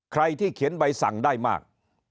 ใครที่เขียนใบสั่งได้มาก